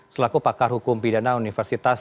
selaku pakar hukum pidana universitas